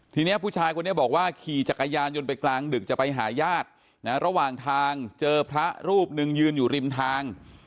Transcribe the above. ทีนี้ผู้ชายคนนี้บอกว่าขี่จักรยานยนต์ไปกลางดึกจะไปหาญาตินะระหว่างทางเจอพระรูปหนึ่งยืนอยู่ริมทาง